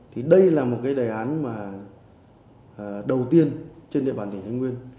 thì đây là một đề án đầu tiên trên địa bàn tỉnh thái nguyên